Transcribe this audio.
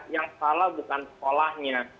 yang salah bukan sekolahnya